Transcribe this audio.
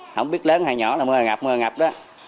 không biết lớn hay nhỏ là mưa là ngập mưa là ngập đó